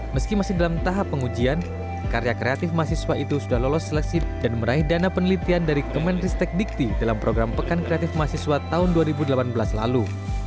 meski masih dalam tahap pengujian karya kreatif mahasiswa itu sudah lolos seleksi dan meraih dana penelitian dari kemenristek dikti dalam program pekan kreatif mahasiswa tahun dua ribu delapan belas lalu